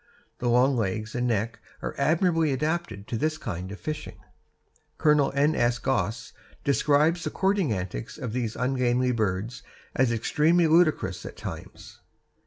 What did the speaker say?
The long legs and neck are admirably adapted to this kind of fishing. Colonel N. S. Goss describes the courting antics of these ungainly birds as extremely ludicrous at times.